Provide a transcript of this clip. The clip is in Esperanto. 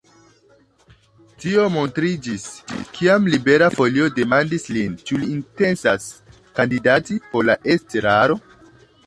Tio montriĝis, kiam Libera Folio demandis lin, ĉu li intencas kandidati por la estraro.